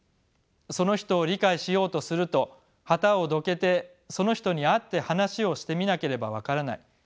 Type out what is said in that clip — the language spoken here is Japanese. その人を理解しようとすると旗をどけてその人に会って話をしてみなければ分からない。